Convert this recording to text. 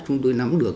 chúng tôi nắm được